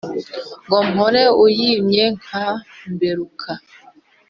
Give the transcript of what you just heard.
ngo mpore uyimye nka mberuka.